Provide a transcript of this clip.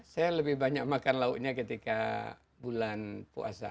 saya lebih banyak makan lauknya ketika bulan puasa